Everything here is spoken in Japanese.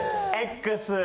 Ｘ！